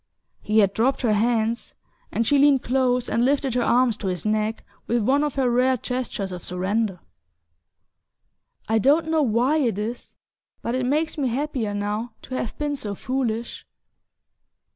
He had dropped her hands, and she leaned close and lifted her arms to his neck with one of her rare gestures of surrender. "I don't know why it is; but it makes me happier now to have been so foolish!"